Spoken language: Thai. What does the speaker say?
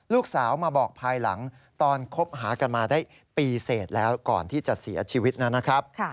ลูกสาวมาบอกภายหลังตอนคบหากันมาได้ปีเสร็จแล้วก่อนที่จะเสียชีวิตนะครับ